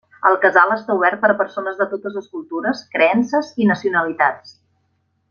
El casal està obert per a persones de totes les cultures, creences i nacionalitats.